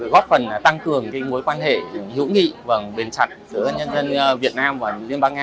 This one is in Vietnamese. góp phần tăng cường mối quan hệ hữu nghị bền chặt giữa nhân dân việt nam và liên bang nga